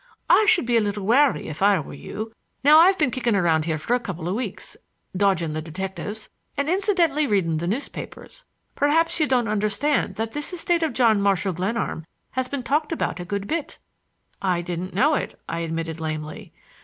I should be a little wary if I were you. Now, I've been kicking around here for a couple of weeks, dodging the detectives, and incidentally reading the newspapers. Perhaps you don't understand that this estate of John Marshall Glenarm has been talked about a good bit." "I didn't know it," I admitted lamely.